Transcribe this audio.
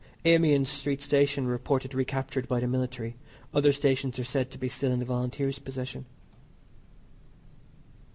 Amiens Street station reported recaptured by the military; other stations are said to be still in the Volunteers' possession.